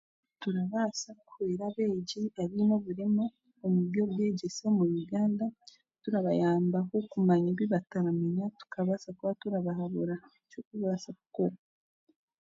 Turaabaasa kuyamba abeegi abaine oburema omu by'obwegyese omu Uganda turabayamba nk'okumanya ebi bataramanya tukabaasa kuba turabahabura ekyokubaasa kukora